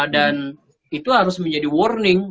dan itu harus menjadi warning